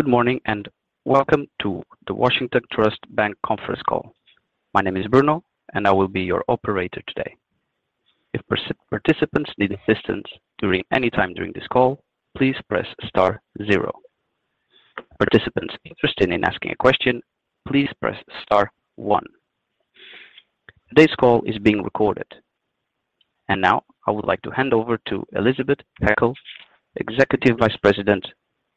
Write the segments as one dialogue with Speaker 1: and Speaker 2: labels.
Speaker 1: Good morning, welcome to the Washington Trust Bank Conference Call. My name is Bruno, I will be your operator today. If participants need assistance during any time during this call, please press star zero. Participants interested in asking a question, please press star one. Today's call is being recorded. Now I would like to hand over to Elizabeth Eckel, Executive Vice President,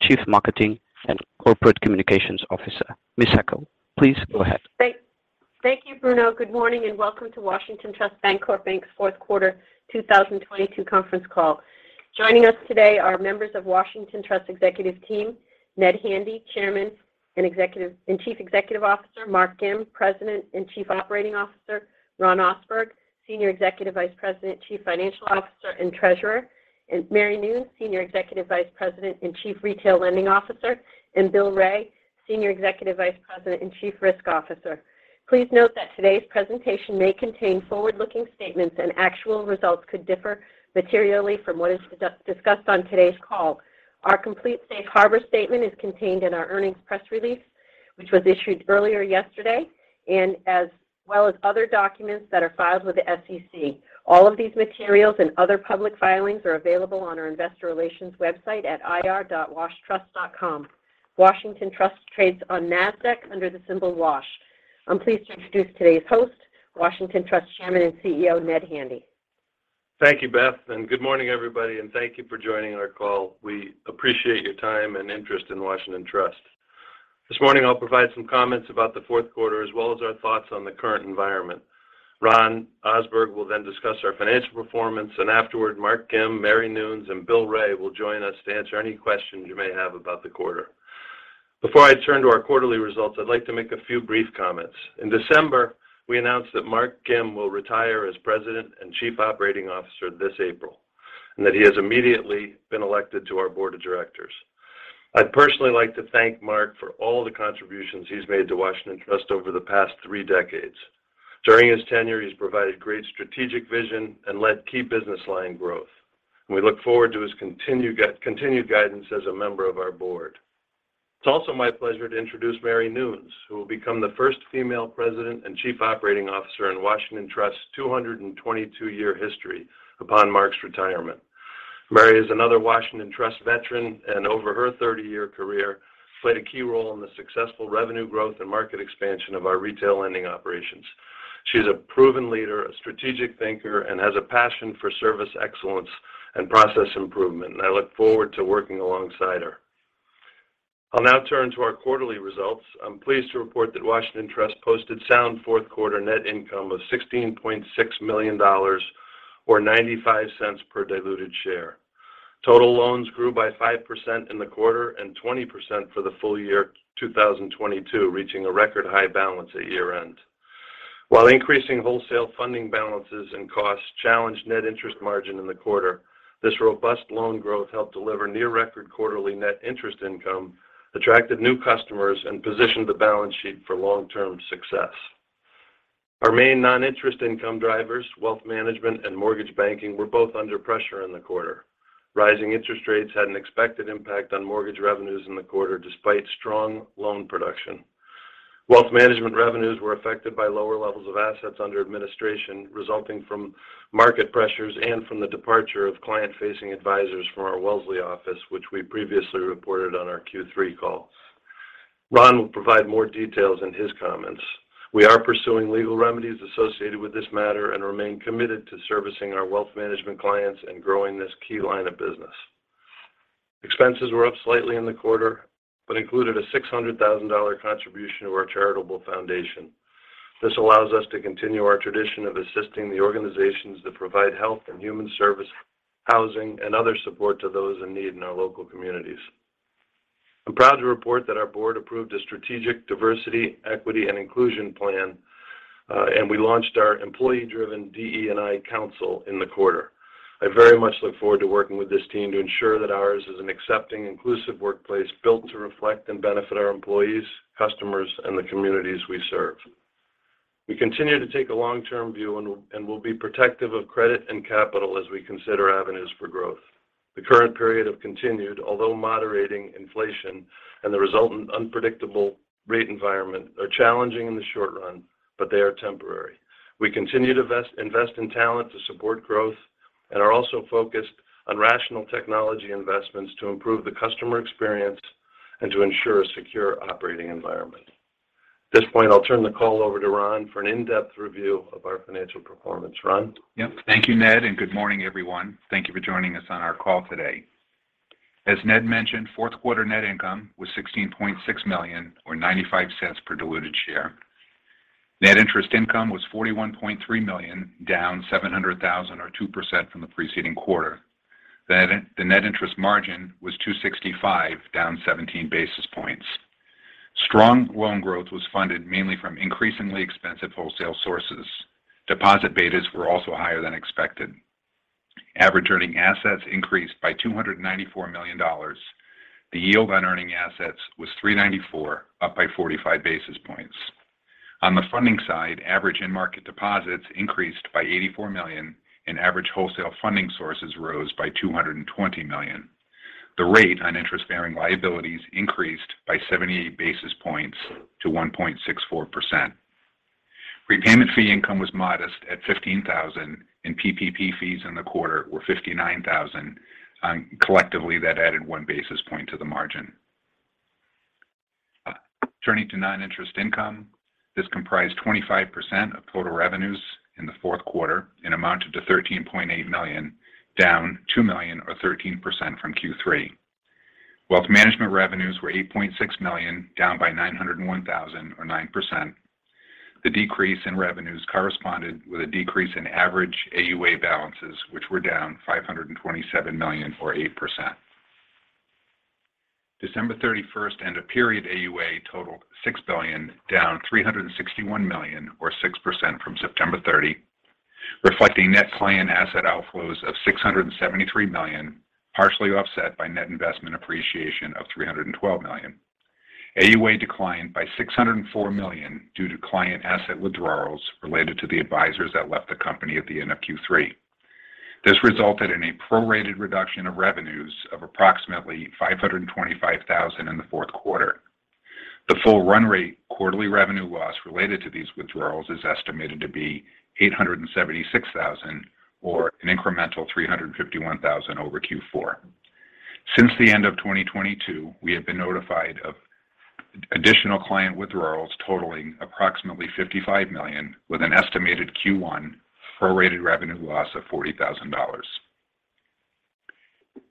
Speaker 1: Chief Marketing and Corporate Communications Officer. Ms. Eckel, please go ahead.
Speaker 2: Thank you, Bruno. Good morning, and welcome to Washington Trust Bancorp Bank's fourth quarter 2022 Conference Call. Joining us today are members of Washington Trust executive team, Ned Handy, Chairman and Chief Executive Officer, Mark Gim, President and Chief Operating Officer, Ron Ohsberg, Senior Executive Vice President, Chief Financial Officer, and Treasurer, Mary Noons, Senior Executive Vice President and Chief Retail Lending Officer, and Bill Wray, Senior Executive Vice President and Chief Risk Officer. Please note that today's presentation may contain forward-looking statements and actual results could differ materially from what is discussed on today's call. Our complete safe harbor statement is contained in our earnings press release, which was issued earlier yesterday, and as well as other documents that are filed with the SEC. All of these materials and other public filings are available on our investor relations website at ir.washtrust.com. Washington Trust trades on NASDAQ under the symbol WASH. I'm pleased to introduce today's host, Washington Trust Chairman and CEO, Ned Handy.
Speaker 3: Thank you, Beth, and good morning, everybody, and thank you for joining our call. We appreciate your time and interest in Washington Trust. This morning, I'll provide some comments about the fourth quarter as well as our thoughts on the current environment. Ron Ohsberg will then discuss our financial performance, and afterward Mark Gim, Mary Noons, and Bill Wray will join us to answer any questions you may have about the quarter. Before I turn to our quarterly results, I'd like to make a few brief comments. In December, we announced that Mark Gim will retire as President and Chief Operating Officer this April, and that he has immediately been elected to our board of directors. I'd personally like to thank Mark for all the contributions he's made to Washington Trust over the past three decades. During his tenure, he's provided great strategic vision and led key business line growth. We look forward to his continued guidance as a member of our board. It's also my pleasure to introduce Mary E. Noons, who will become the first female President and Chief Operating Officer in Washington Trust's 222-year history upon Mark's retirement. Mary is another Washington Trust veteran and over her 30-year career played a key role in the successful revenue growth and market expansion of our retail lending operations. She's a proven leader, a strategic thinker, and has a passion for service excellence and process improvement. I look forward to working alongside her. I'll now turn to our quarterly results. I'm pleased to report that Washington Trust posted sound fourth quarter net income of $16.6 million or $0.95 per diluted share. Total loans grew by 5% in the quarter and 20% for the full year 2022, reaching a record high balance at year-end. While increasing wholesale funding balances and costs challenged net interest margin in the quarter, this robust loan growth helped deliver near record quarterly net interest income, attracted new customers, and positioned the balance sheet for long-term success. Our main non-interest income drivers, wealth management and mortgage banking, were both under pressure in the quarter. Rising interest rates had an expected impact on mortgage revenues in the quarter despite strong loan production. Wealth management revenues were affected by lower levels of assets under administration, resulting from market pressures and from the departure of client-facing advisors from our Wellesley office, which we previously reported on our Q3 calls. Ron will provide more details in his comments. We are pursuing legal remedies associated with this matter and remain committed to servicing our wealth management clients and growing this key line of business. Expenses were up slightly in the quarter but included a $600,000 contribution to our charitable foundation. This allows us to continue our tradition of assisting the organizations that provide health and human service, housing, and other support to those in need in our local communities. I'm proud to report that our board approved a strategic diversity, equity, and inclusion plan, and we launched our employee-driven DE&I council in the quarter. I very much look forward to working with this team to ensure that ours is an accepting, inclusive workplace built to reflect and benefit our employees, customers, and the communities we serve. We continue to take a long-term view and will be protective of credit and capital as we consider avenues for growth. The current period of continued, although moderating inflation and the resultant unpredictable rate environment are challenging in the short run, but they are temporary. We continue to invest in talent to support growth and are also focused on rational technology investments to improve the customer experience and to ensure a secure operating environment. At this point, I'll turn the call over to Ron for an in-depth review of our financial performance. Ron?
Speaker 4: Yep. Thank you, Ned, and good morning, everyone. Thank you for joining us on our call today. As Ned mentioned, fourth quarter net income was $16.6 million or $0.95 per diluted share. Net interest income was $41.3 million, down $700,000 or 2% from the preceding quarter. The net interest margin was 2.65%, down 17 basis points. Strong loan growth was funded mainly from increasingly expensive wholesale sources. Deposit betas were also higher than expected. Average earning assets increased by $294 million. The yield on earning assets was 3.94%, up by 45 basis points. On the funding side, average in-market deposits increased by $84 million, and average wholesale funding sources rose by $220 million. The rate on interest-bearing liabilities increased by 70 basis points to 1.64%. Prepayment fee income was modest at $15,000, and PPP fees in the quarter were $59,000. Collectively, that added 1 basis point to the margin. Turning to non-interest income. This comprised 25% of total revenues in the fourth quarter and amounted to $13.8 million, down $2 million or 13% from Q3. Wealth management revenues were $8.6 million, down by $901,000 or 9%. The decrease in revenues corresponded with a decrease in average AUA balances, which were down $527 million or 8%. December 31st end of period AUA totaled $6 billion, down $361 million or 6% from September 30, reflecting net client asset outflows of $673 million, partially offset by net investment appreciation of $312 million. AUA declined by $604 million due to client asset withdrawals related to the advisors that left the company at the end of Q3. This resulted in a prorated reduction of revenues of approximately $525,000 in the fourth quarter. The full run rate quarterly revenue loss related to these withdrawals is estimated to be $876,000 or an incremental $351,000 over Q4. Since the end of 2022, we have been notified of additional client withdrawals totaling approximately $55 million, with an estimated Q1 prorated revenue loss of $40,000.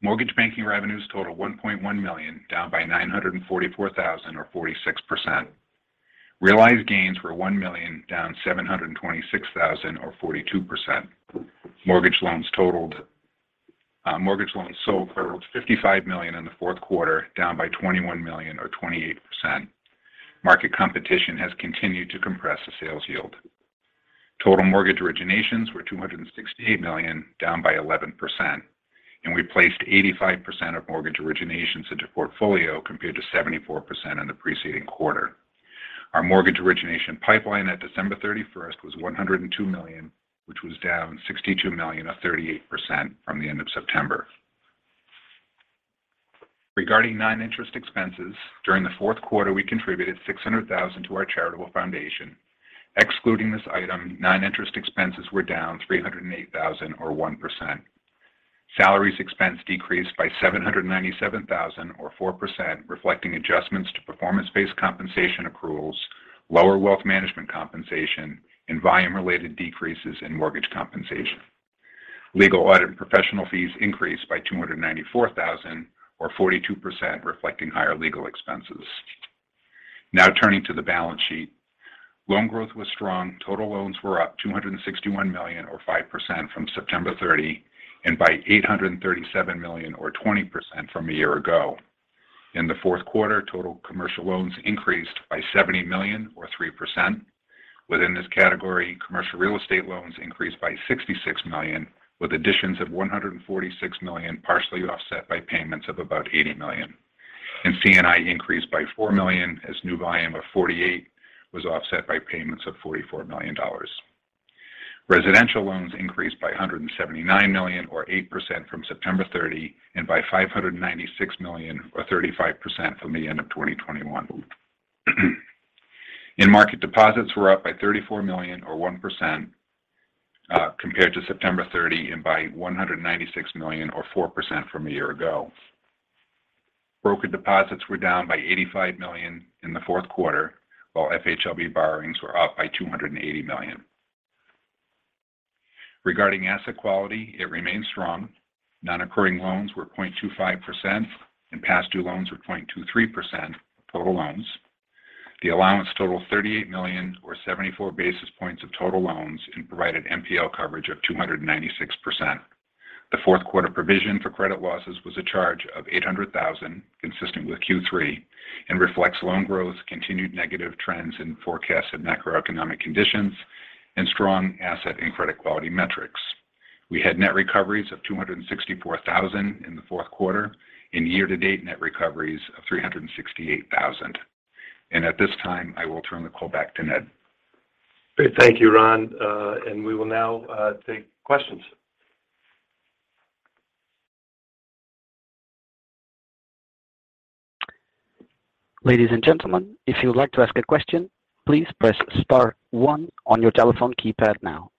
Speaker 4: Mortgage banking revenues total $1.1 million, down by $944,000 or 46%. Realized gains were $1 million, down $726,000 or 42%. Mortgage loans sold totaled $55 million in the fourth quarter, down by $21 million or 28%. Market competition has continued to compress the sales yield. Total mortgage originations were $268 million, down by 11%, and we placed 85% of mortgage originations into portfolio, compared to 74% in the preceding quarter. Our mortgage origination pipeline at December 31st was $102 million, which was down $62 million or 38% from the end of September. Regarding non-interest expenses, during the fourth quarter, we contributed $600 thousand to our charitable foundation. Excluding this item, non-interest expenses were down $308 thousand or 1%. Salaries expense decreased by $797 thousand or 4%, reflecting adjustments to performance-based compensation accruals, lower wealth management compensation, and volume-related decreases in mortgage compensation. Legal audit and professional fees increased by $294,000 or 42%, reflecting higher legal expenses. Now turning to the balance sheet. Loan growth was strong. Total loans were up $261 million or 5% from September 30 and by $837 million or 20% from a year ago. In the fourth quarter, total commercial loans increased by $70 million or 3%. Within this category, commercial real estate loans increased by $66 million, with additions of $146 million, partially offset by payments of about $80 million. C&I increased by $4 million as new volume of $48 million was offset by payments of $44 million. Residential loans increased by $179 million or 8% from September 30 and by $596 million or 35% from the end of 2021. In market deposits were up by $34 million or 1% compared to September 30 and by $196 million or 4% from a year ago. Brokered deposits were down by $85 million in the fourth quarter, while FHLB borrowings were up by $280 million. Regarding asset quality, it remains strong. Non-occurring loans were 0.25% and past due loans were 0.23% of total loans. The allowance totaled $38 million or 74 basis points of total loans and provided NPL coverage of 296%. Reflects loan growth, continued negative trends in forecasts of macroeconomic conditions, and strong asset and credit quality metrics. We had net recoveries of $264,000 in the fourth quarter and year-to-date net recoveries of $368,000. At this time, I will turn the call back to Ned.
Speaker 3: Great. Thank you, Ron. We will now take questions.
Speaker 1: Ladies and gentlemen, if you would like to ask a question, please press star one on your telephone keypad now.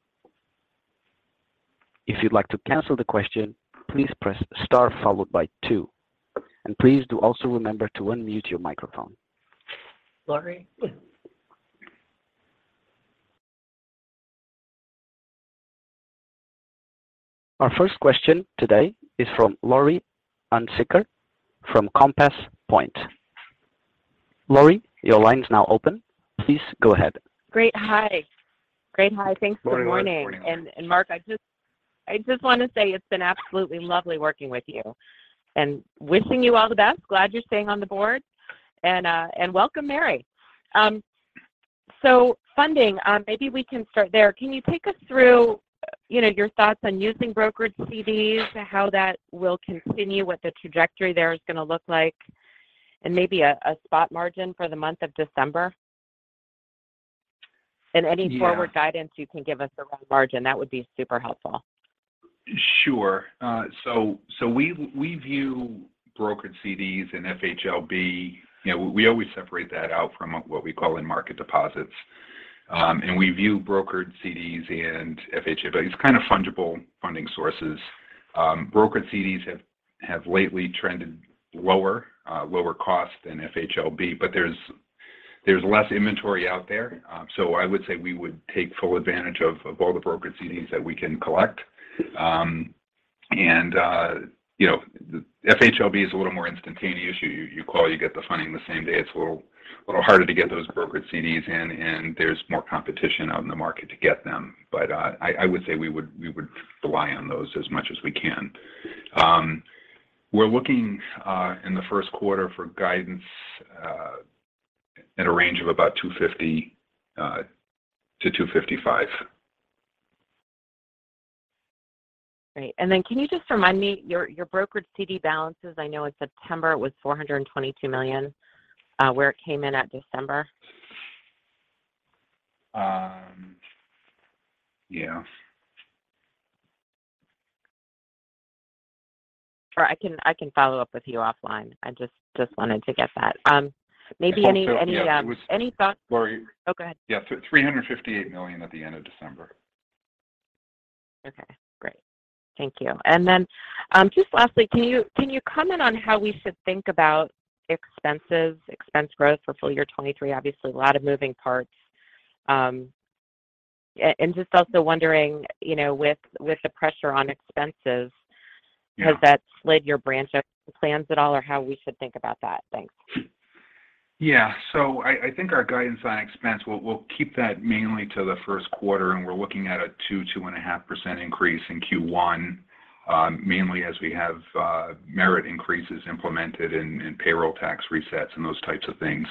Speaker 1: If you'd like to cancel the question, please press star followed by two. Please do also remember to unmute your microphone.
Speaker 3: Laurie.
Speaker 1: Our first question today is from Laurie Hunsicker from Compass Point. Laurie, your line is now open. Please go ahead.
Speaker 5: Great. Hi. Thanks for the morning.
Speaker 4: Laurie, good morning.
Speaker 5: Mark, I just want to say it's been absolutely lovely working with you and wishing you all the best. Glad you're staying on the board. Welcome, Mary. Funding, maybe we can start there. Can you take us through, you know, your thoughts on using brokerage CDs, how that will continue, what the trajectory there is going to look like, and maybe a spot margin for the month of December.
Speaker 4: Yeah.
Speaker 5: Any forward guidance you can give us around margin, that would be super helpful.
Speaker 4: Sure. So we view brokered CDs and FHLB... You know, we always separate that out from what we call in-market deposits. We view brokered CDs and FHLB as kind of fungible funding sources. Brokered CDs have lately trended lower cost than FHLB, there's less inventory out there. I would say we would take full advantage of all the brokered CDs that we can collect. You know, the FHLB is a little more instantaneous. You call, you get the funding the same day. It's a little harder to get those brokered CDs in, and there's more competition out in the market to get them. I would say we would rely on those as much as we can. We're looking in the first quarter for guidance at a range of about $2.50-$2.55.
Speaker 5: Great. Then can you just remind me your brokered CD balances, I know in September it was $422 million, where it came in at December?
Speaker 4: Yeah.
Speaker 5: I can follow up with you offline. I just wanted to get that.
Speaker 4: Yeah, it
Speaker 5: Any, any thoughts-
Speaker 4: Lori-
Speaker 5: Oh, go ahead.
Speaker 4: Yeah. $358 million at the end of December.
Speaker 5: Okay, great. Thank you. Then, just lastly, can you comment on how we should think about expenses, expense growth for full year 2023? Obviously, a lot of moving parts. Just also wondering, you know, with the pressure on expenses...
Speaker 4: Yeah
Speaker 5: Has that slid your branch up plans at all or how we should think about that? Thanks.
Speaker 4: I think our guidance on expense, we'll keep that mainly to the first quarter, and we're looking at a 2.5% increase in Q1, mainly as we have merit increases implemented and payroll tax resets and those types of things.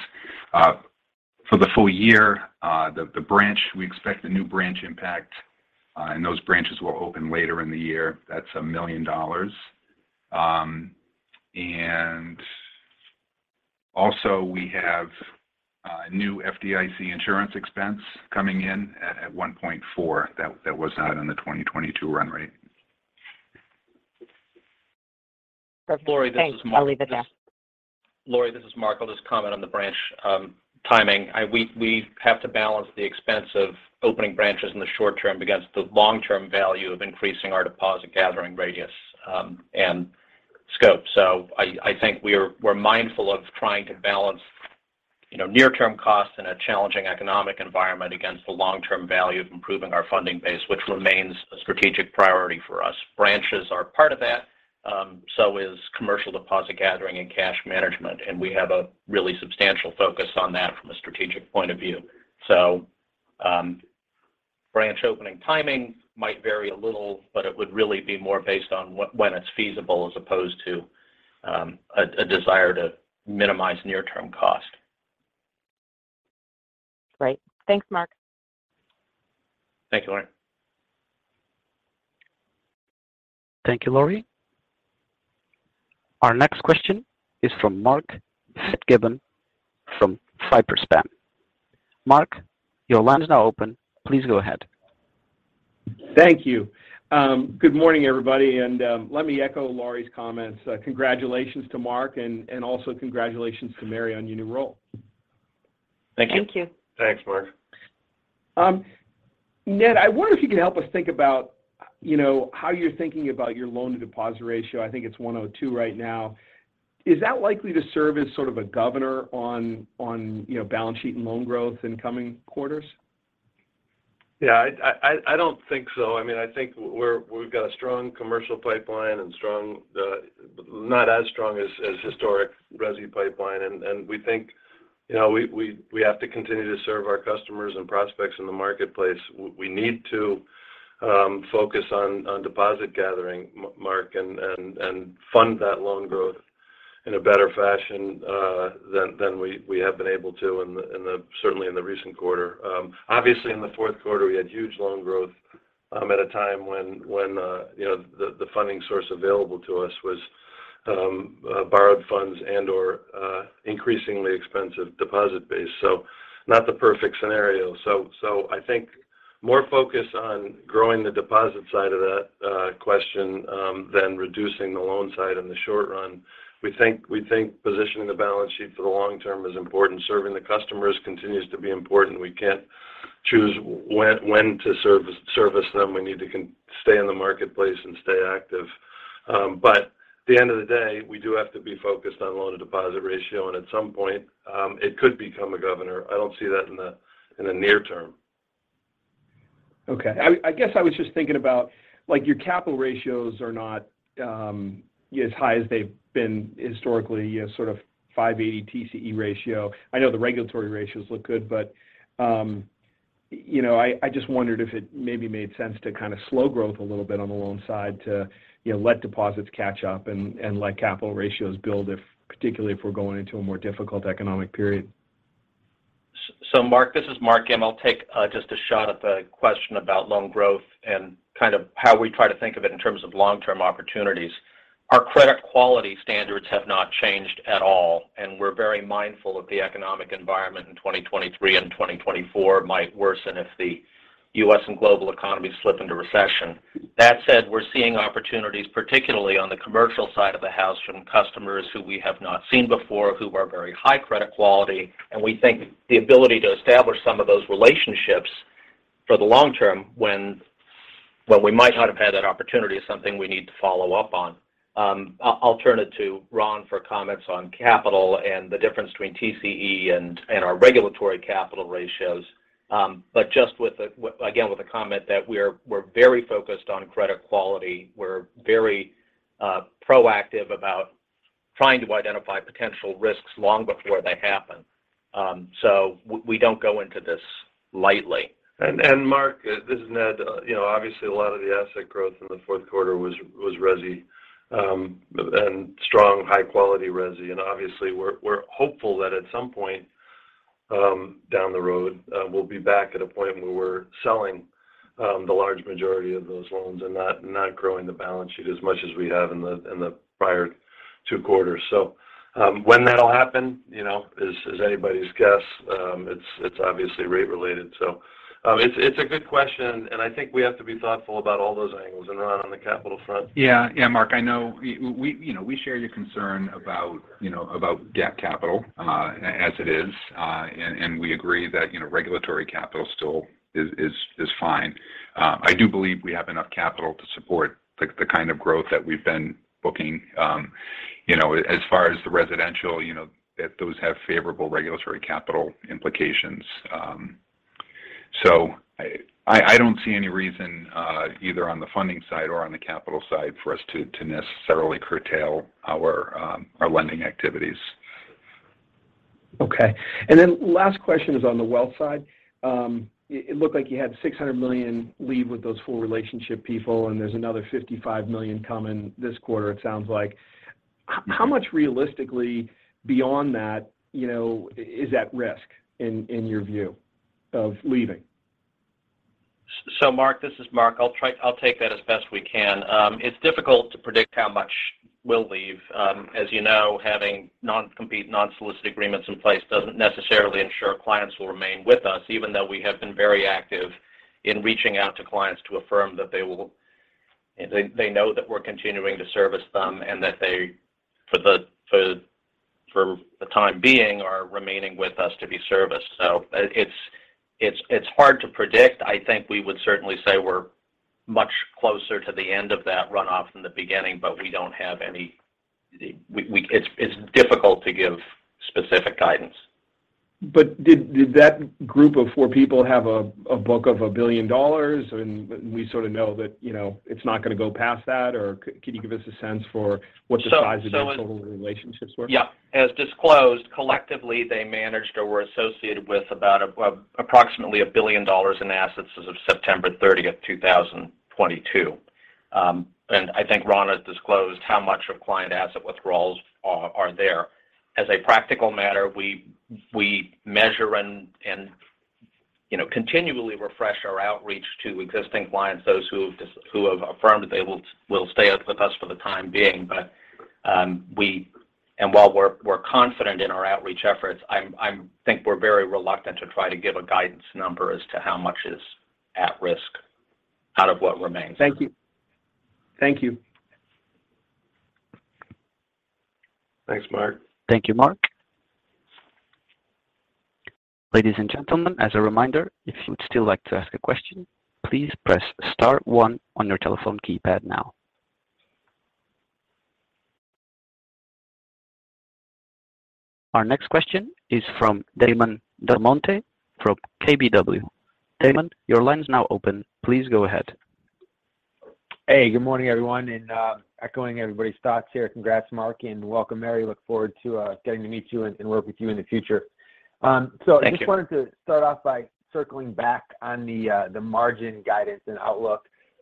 Speaker 4: For the full year, the branch, we expect the new branch impact, and those branches will open later in the year. That's $1 million. Also we have new FDIC insurance expense coming in at $1.4. That was not in the 2022 run rate.
Speaker 5: Perfect.
Speaker 6: Lori, this is Mark.
Speaker 5: Thanks. I'll leave it there.
Speaker 6: Lori, this is Mark. I'll just comment on the branch timing. We have to balance the expense of opening branches in the short term against the long-term value of increasing our deposit gathering radius and scope. I think we're mindful of trying to balance, you know, near-term costs in a challenging economic environment against the long-term value of improving our funding base, which remains a strategic priority for us. Branches are part of that, so is commercial deposit gathering and cash management, and we have a really substantial focus on that from a strategic point of view. Branch opening timing might vary a little, but it would really be more based on when it's feasible as opposed to a desire to minimize near-term cost.
Speaker 5: Great. Thanks, Mark.
Speaker 6: Thank you, Lori.
Speaker 1: Thank you, Lori. Our next question is from Mark Fitzgibbon from Piper Sandler. Mark, your line is now open. Please go ahead.
Speaker 7: Thank you. Good morning, everybody, and, let me echo Lori's comments. Congratulations to Mark and also congratulations to Mary on your new role.
Speaker 8: Thank you.
Speaker 4: Thanks, Mark.
Speaker 7: Ned, I wonder if you can help us think about, you know, how you're thinking about your loan-to-deposit ratio. I think it's 102 right now. Is that likely to serve as sort of a governor on, you know, balance sheet and loan growth in coming quarters?
Speaker 4: I don't think so. I mean, I think we've got a strong commercial pipeline and strong, not as strong as historic resi pipeline. We think, you know, we have to continue to serve our customers and prospects in the marketplace. We need to focus on deposit gathering, Mark, and fund that loan growth in a better fashion than we have been able to in the recent quarter. Obviously, in the fourth quarter, we had huge loan growth at a time when, you know, the funding source available to us was borrowed funds and/or increasingly expensive deposit base. Not the perfect scenario. I think more focus on growing the deposit side of that question than reducing the loan side in the short run. We think positioning the balance sheet for the long term is important. Serving the customers continues to be important. We can't choose when to service them. We need to stay in the marketplace and stay active. At the end of the day, we do have to be focused on loan-to-deposit ratio, and at some point, it could become a governor. I don't see that in the near term.
Speaker 7: Okay. I guess I was just thinking about, like, your capital ratios are not as high as they've been historically, you know, sort of 580 TCE ratio. I know the regulatory ratios look good, but, you know, I just wondered if it maybe made sense to kind of slow growth a little bit on the loan side to, you know, let deposits catch up and let capital ratios build if, particularly if we're going into a more difficult economic period.
Speaker 6: Mark, this is Mark. I'll take just a shot at the question about loan growth and kind of how we try to think of it in terms of long-term opportunities. Our credit quality standards have not changed at all, and we're very mindful of the economic environment in 2023 and 2024 might worsen if the U.S. and global economies slip into recession. That said, we're seeing opportunities, particularly on the commercial side of the house from customers who we have not seen before, who are very high credit quality. We think the ability to establish some of those relationships for the long term when we might not have had that opportunity is something we need to follow up on. I'll turn it to Ron for comments on capital and the difference between TCE and our regulatory capital ratios. Just with the again, with the comment that we're very focused on credit quality. We're very proactive about trying to identify potential risks long before they happen. We don't go into this lightly.
Speaker 3: Mark, this is Ned. You know, obviously a lot of the asset growth in the fourth quarter was resi, and strong high-quality resi. Obviously we're hopeful that at some point down the road, we'll be back at a point where we're selling the large majority of those loans and not growing the balance sheet as much as we have in the prior two quarters. When that'll happen, you know, is anybody's guess. It's obviously rate related. It's a good question, and I think we have to be thoughtful about all those angles. Ron, on the capital front.
Speaker 4: Yeah. Yeah. Mark, I know we, you know, we share your concern about, you know, about gap capital as it is. We agree that, you know, regulatory capital still is fine. I do believe we have enough capital to support the kind of growth that we've been booking. You know, as far as the residential, you know, if those have favorable regulatory capital implications. I don't see any reason either on the funding side or on the capital side for us to necessarily curtail our lending activities.
Speaker 7: Okay. Last question is on the wealth side. It looked like you had $600 million leave with those four relationship people, and there's another $55 million coming this quarter it sounds like. How much realistically beyond that, you know, is at risk in your view of leaving?
Speaker 6: Mark, this is Mark. I'll take that as best we can. It's difficult to predict how much will leave. As you know, having non-compete, non-solicit agreements in place doesn't necessarily ensure clients will remain with us, even though we have been very active in reaching out to clients to affirm that they know that we're continuing to service them and that they for the time being are remaining with us to be serviced. It's hard to predict. I think we would certainly say we're much closer to the end of that runoff than the beginning, but we don't have any. It's difficult to give specific guidance.
Speaker 7: Did that group of four people have a book of $1 billion and we sort of know that, you know, it's not going to go past that? Can you give us a sense for what the size of their total relationships were?
Speaker 6: Yeah. As disclosed, collectively, they managed or were associated with approximately $1 billion in assets as of September 30, 2022. I think Ron has disclosed how much of client asset withdrawals are there. As a practical matter, we measure and, you know, continually refresh our outreach to existing clients, those who have affirmed that they will stay with us for the time being. And while we're confident in our outreach efforts, I think we're very reluctant to try to give a guidance number as to how much is at risk out of what remains.
Speaker 7: Thank you. Thank you.
Speaker 3: Thanks, Mark.
Speaker 1: Thank you, Mark. Ladies and gentlemen, as a reminder, if you would still like to ask a question, please press star one on your telephone keypad now. Our next question is from Damon DelMonte from KBW. Damon, your line is now open. Please go ahead.
Speaker 9: Hey, good morning, everyone, and echoing everybody's thoughts here. Congrats, Mark, and welcome, Mary. Look forward to getting to meet you and work with you in the future.
Speaker 6: Thank you.
Speaker 9: I just wanted to start off by circling back on the margin guidance and outlook.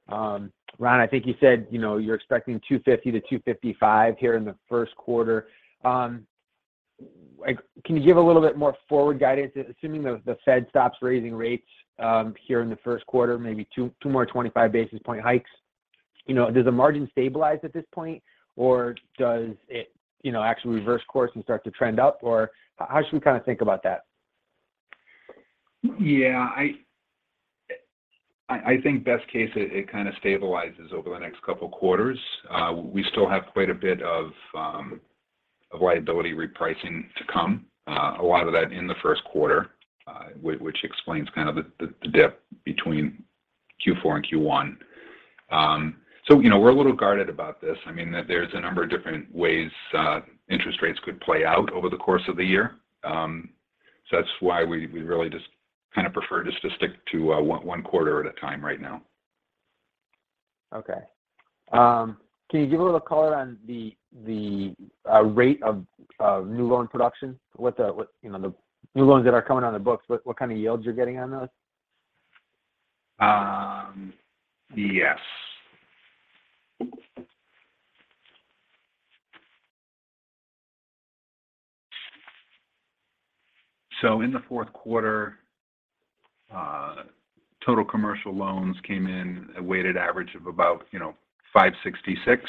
Speaker 9: Ron, I think you said, you know, you're expecting 2.50%-2.55% here in the first quarter. Like can you give a little bit more forward guidance, assuming the Fed stops raising rates here in the first quarter, maybe two more 25 basis point hikes? You know, does the margin stabilize at this point or does it, you know, actually reverse course and start to trend up? How should we kind of think about that?
Speaker 4: Yeah. I think best case it kind of stabilizes over the next couple quarters. We still have quite a bit of liability repricing to come. A lot of that in the first quarter, which explains kind of the dip between Q4 and Q1. You know, we're a little guarded about this. I mean, there's a number of different ways interest rates could play out over the course of the year. That's why we really just kind of prefer just to stick to one quarter at a time right now.
Speaker 9: Okay. Can you give a little color on the rate of new loan production? You know, the new loans that are coming on the books, what kind of yields you're getting on those?
Speaker 4: Yes. In the fourth quarter, total commercial loans came in a weighted average of about, you know, 5.66.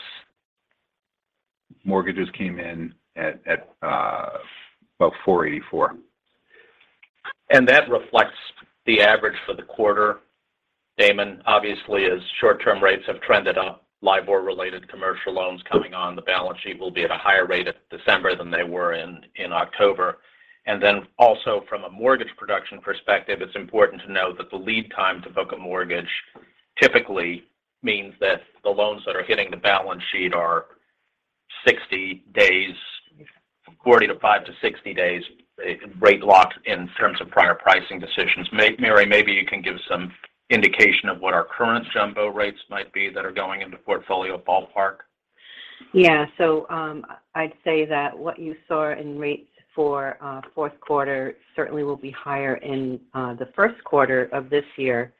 Speaker 4: Mortgages came in about 4.84.
Speaker 6: That reflects the average for the quarter, Damon. Obviously, as short-term rates have trended up, LIBOR related commercial loans coming on the balance sheet will be at a higher rate at December than they were in October. Then also from a mortgage production perspective, it's important to know that the lead time to book a mortgage typically means that the loans that are hitting the balance sheet are 60 days, 45-60 days rate locked in terms of prior pricing decisions. Mary, maybe you can give some indication of what our current jumbo rates might be that are going into portfolio ballpark.
Speaker 8: Yeah. I'd say that what you saw in rates for fourth quarter certainly will be higher in the first quarter of this year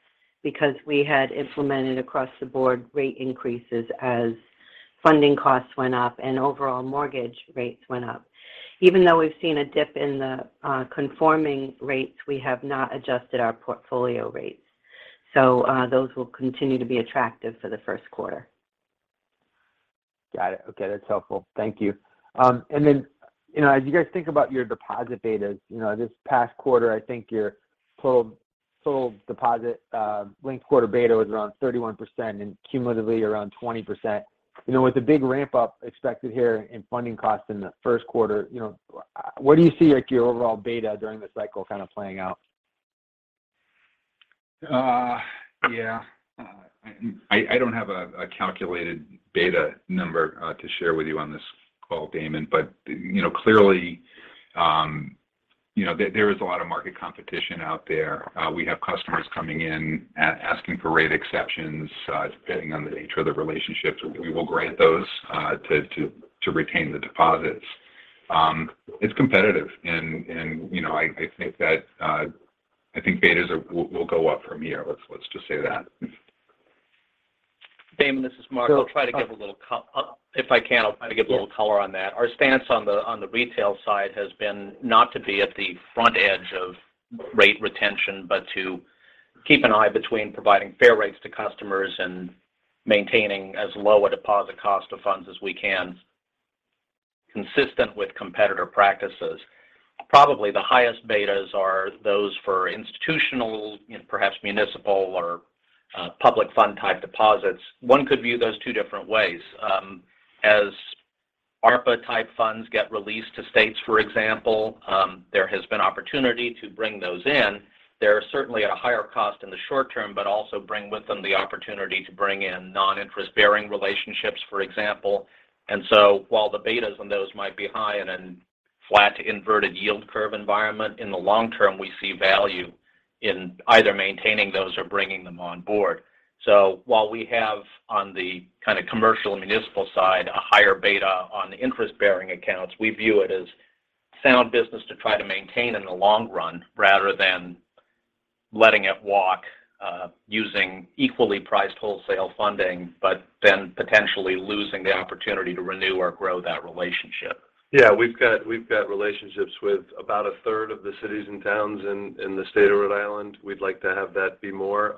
Speaker 8: because we had implemented across the board rate increases as funding costs went up and overall mortgage rates went up. Even though we've seen a dip in the conforming rates, we have not adjusted our portfolio rates. Those will continue to be attractive for the first quarter.
Speaker 9: Got it. Okay. That's helpful. Thank you. Then, you know, as you guys think about your deposit betas, you know, this past quarter, I think your total deposit linked quarter beta was around 31% and cumulatively around 20%. You know, with the big ramp up expected here in funding costs in the first quarter, you know, where do you see, like, your overall beta during this cycle kind of playing out?
Speaker 4: Yeah. I don't have a calculated beta number to share with you on this call, Damon. You know, clearly, you know, there is a lot of market competition out there. We have customers coming in asking for rate exceptions. Depending on the nature of the relationships, we will grant those to retain the deposits. It's competitive and, you know, I think that I think betas will go up from here. Let's just say that.
Speaker 6: Damon, this is Mark. I'll try to give a little color on the retail side has been not to be at the front edge of rate retention, but to keep an eye between providing fair rates to customers and maintaining as low a deposit cost of funds as we can consistent with competitor practices. Probably the highest betas are those for institutional and perhaps municipal or public fund type deposits. One could view those two different ways. As ARPA type funds get released to states, for example, there has been opportunity to bring those in. They're certainly at a higher cost in the short term, but also bring with them the opportunity to bring in non-interest-bearing relationships, for example. While the betas on those might be high in an flat to inverted yield curve environment, in the long term, we see value in either maintaining those or bringing them on board. While we have on the kind of commercial and municipal side a higher beta on the interest-bearing accounts, we view it as sound business to try to maintain in the long run rather than letting it walk, using equally priced wholesale funding, but then potentially losing the opportunity to renew or grow that relationship.
Speaker 3: Yeah. We've got relationships with about a third of the cities and towns in the state of Rhode Island. We'd like to have that be more.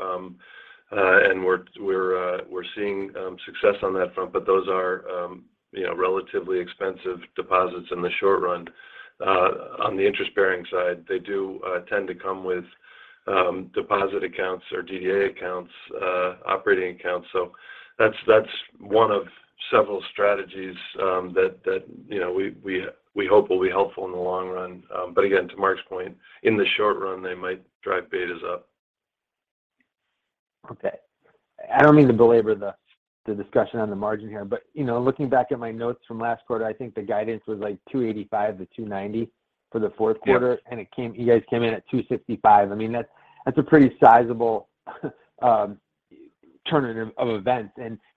Speaker 3: We're seeing success on that front, but those are, you know, relatively expensive deposits in the short run. On the interest-bearing side, they do tend to come with deposit accounts or DDA accounts, operating accounts. That's one of several strategies that, you know, we hope will be helpful in the long run. Again, to Mark's point, in the short run, they might drive betas up.
Speaker 9: Okay. I don't mean to belabor the discussion on the margin here, but, you know, looking back at my notes from last quarter, I think the guidance was like 2.85%-2.90% for the fourth quarter.
Speaker 3: Yes.
Speaker 9: You guys came in at 265. I mean, that's a pretty sizable turn of events.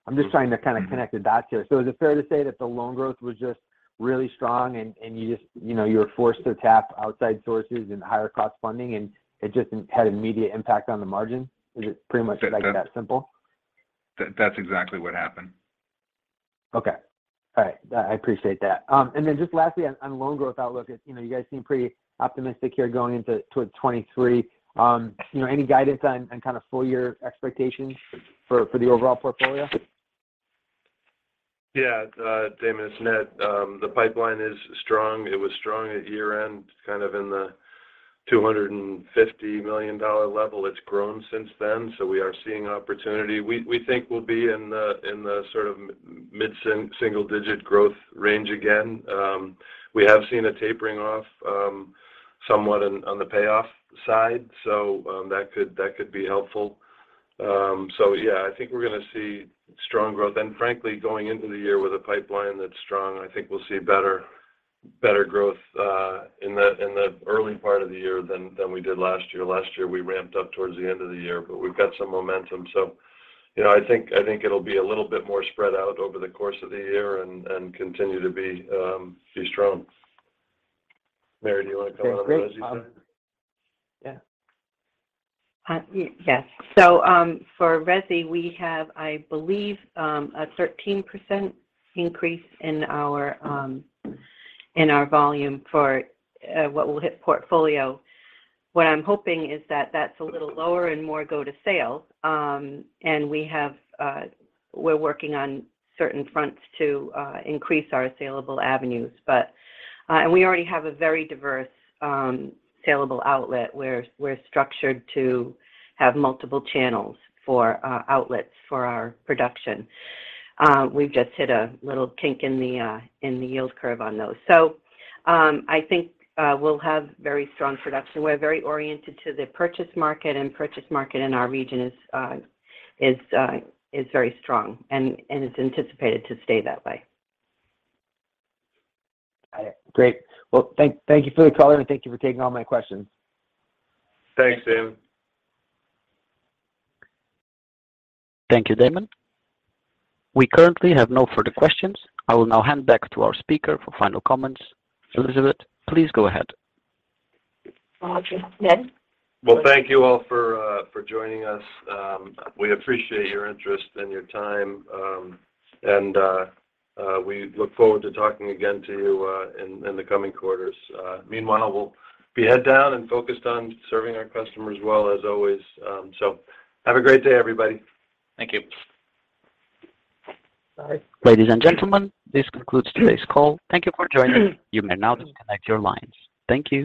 Speaker 9: I'm just trying to kind of connect the dots here. Is it fair to say that the loan growth was just really strong and you just, you know, you were forced to tap outside sources and higher cost funding and it just had immediate impact on the margin? Is it pretty much like that simple?
Speaker 3: That's exactly what happened.
Speaker 9: Okay. All right. I appreciate that. Then just lastly on loan growth outlook, you know, you guys seem pretty optimistic here toward 2023. You know, any guidance on and kind of full year expectations for the overall portfolio?
Speaker 3: Damon, it's Ned. The pipeline is strong. It was strong at year-end, kind of in the $250 million level. It's grown since then. We are seeing opportunity. We think we'll be in the sort of mid single digit growth range again. We have seen a tapering off somewhat on the payoff side. That could be helpful. I think we're gonna see strong growth. Frankly, going into the year with a pipeline that's strong, I think we'll see better growth in the early part of the year than we did last year. Last year, we ramped up towards the end of the year. We've got some momentum. You know, I think it'll be a little bit more spread out over the course of the year and continue to be strong. Mary, do you wanna comment on the resi side?
Speaker 8: Yeah. yes. for resi, we have, I believe, a 13% increase in our in our volume for what will hit portfolio. What I'm hoping is that that's a little lower and more go to sale. We're working on certain fronts to increase our saleable avenues. We already have a very diverse saleable outlet. We're structured to have multiple channels for outlets for our production. We've just hit a little kink in the in the yield curve on those. I think we'll have very strong production. We're very oriented to the purchase market, purchase market in our region is very strong and it's anticipated to stay that way.
Speaker 9: Got it. Great. Well, thank you for the color, and thank you for taking all my questions.
Speaker 3: Thanks, Damon.
Speaker 1: Thank you, Damon. We currently have no further questions. I will now hand back to our speaker for final comments. Elizabeth, please go ahead.
Speaker 2: Roger. Ned?
Speaker 3: Well, thank you all for joining us. We appreciate your interest and your time. We look forward to talking again to you in the coming quarters. Meanwhile, we'll be head down and focused on serving our customers well as always. Have a great day, everybody.
Speaker 6: Thank you.
Speaker 4: Bye.
Speaker 1: Ladies and gentlemen, this concludes today's call. Thank you for joining us. You may now disconnect your lines. Thank you.